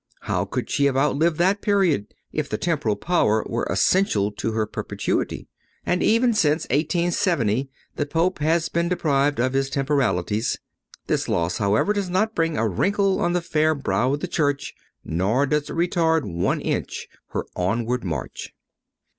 How could she have outlived that period, if the temporal power were essential to her perpetuity? And even since 1870 the Pope has been deprived of his temporalities. This loss, however, does not bring a wrinkle on the fair brow of the Church, nor does it retard one inch her onward march.